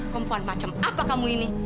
kumpulan macam apa kamu ini